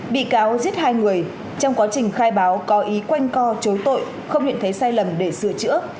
bị cáo giết hai người trong quá trình khai báo có ý quanh co chối tội không nhận thấy sai lầm để sửa chữa